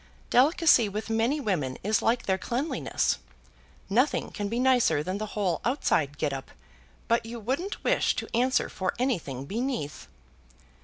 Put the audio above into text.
Delicacy with many women is like their cleanliness. Nothing can be nicer than the whole outside get up, but you wouldn't wish to answer for anything beneath."